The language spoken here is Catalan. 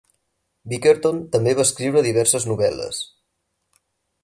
Bickerton també va escriure diverses novel·les.